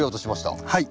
はい。